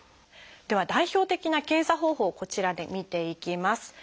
では代表的な検査方法をこちらで見ていきます。